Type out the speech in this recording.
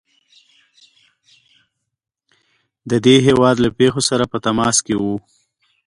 د دې هیواد له پیښو سره په تماس کې وو.